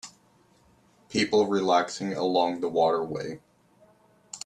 People relaxing along the waterway